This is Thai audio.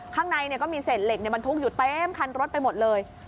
ข้างในก็มีเศษเหล็กบรรทุกอยู่เต็มคันรถไปหมดเลย